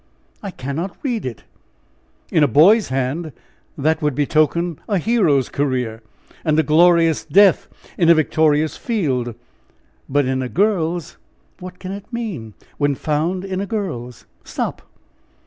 I cannot read it! In a boy's hand, that would betoken a hero's career, and a glorious death in a victorious field; but in a girl's! What can it mean when found in a girl's? Stop!"